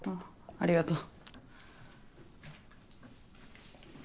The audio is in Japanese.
ありがとう。